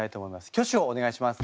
挙手をお願いします。